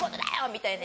みたいな